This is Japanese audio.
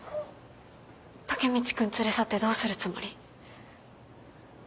タケミチ君連れ去ってどうするつもり？